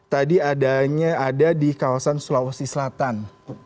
tadi adanya ada di kawasan sulawesi selatan